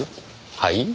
はい？